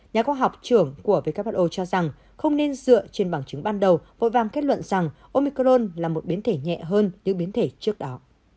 nhà khoa học trưởng của who cho rằng không nên dựa trên bằng chứng ban đầu vội vàng kết luận rằng omicron là một biến thể nhẹ hơn những biến thể trước đó